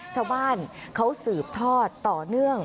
ชาวบ้านเขาสืบทอดต่อเนื่อง